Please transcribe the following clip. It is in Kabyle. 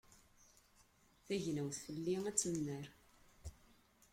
Tagnawt fell-i ad temmar.